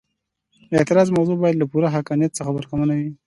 د اعتراض موضوع باید له پوره حقانیت څخه برخمنه وي.